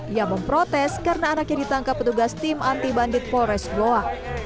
ia memprotes karena anaknya ditangkap petugas tim anti bandit polres goa